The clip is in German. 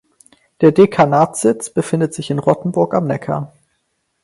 Der Dekanatssitz befindet sich in Rottenburg am Neckar.